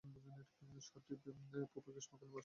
শহরটি পোপের গ্রীষ্মকালীন বাসস্থান হিসেবে সুপরিচিত।